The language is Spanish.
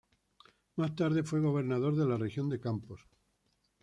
Más tarde fue gobernador de la región de Campos.